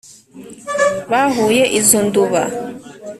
bahuye izo nduba.